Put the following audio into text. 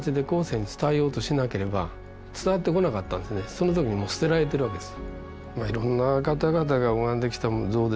その時にもう捨てられてるわけです。